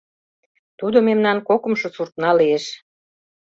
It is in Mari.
Тудо мемнан кокымшо суртна лиеш.